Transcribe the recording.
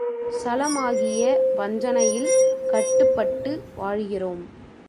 சளமாகிய வஞ்சனையில் கட்டுப்பட்டு வாழ்கிறோம்.